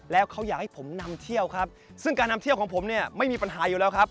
แล้วเขาอยากให้ผมนำเที่ยวครับซึ่งการนำเที่ยวของผมเนี่ยไม่มีปัญหาอยู่แล้วครับ